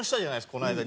この間。